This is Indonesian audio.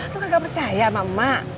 lo kagak percaya sama mak